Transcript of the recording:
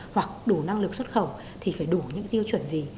hoặc đủ năng lực xuất khẩu thì phải đủ những tiêu chuẩn gì